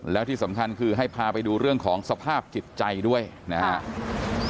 แล้วที่สำคัญคือให้พาไปดูเรื่องของสภาพจิตใจด้วยนะครับ